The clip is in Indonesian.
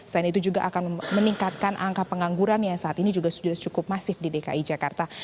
selain itu juga akan meningkatkan angka pengangguran yang saat ini juga sudah cukup masif di dki jakarta